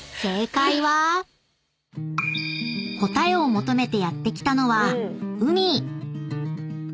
［答えを求めてやって来たのは］